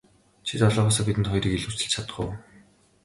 Чи долоогоосоо бидэнд хоёрыг илүүчилж чадах уу.